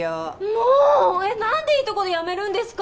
もうえっ何でいいとこでやめるんですか？